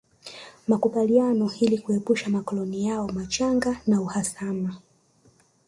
Makubaliano ili kuepusha makoloni yao machanga na uhasama